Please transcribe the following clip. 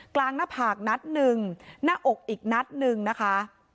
หน้าผากนัดหนึ่งหน้าอกอีกนัดหนึ่งนะคะ